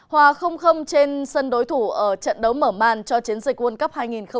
hòa trên sân đối thủ ở trận đấu mở màn cho chiến dây quân cấp hai nghìn hai mươi hai